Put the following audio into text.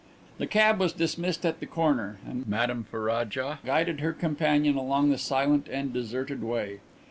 The cab was dismissed at the corner and Madame Ferraja guided her companion along the silent and deserted way.